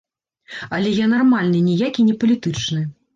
Але я нармальны, ніякі не палітычны.